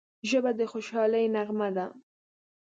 ژبه د خوشحالۍ نغمه ده